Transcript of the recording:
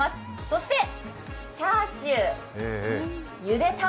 そしてチャーシュー、ゆで卵